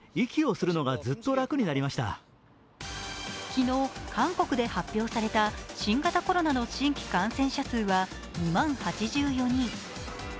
昨日、韓国で発表された新型コロナの新規感染者数は２万８４人。